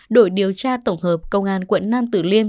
đội điều tra tổng hợp công an quận nam tử liêm